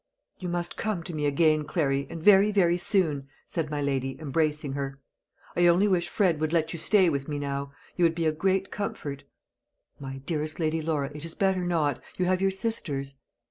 "You must come to me again, Clary, and very, very soon," said my lady, embracing her. "I only wish Fred would let you stay with me now. You would be a great comfort." "My dearest Lady Laura, it is better not. You have your sisters."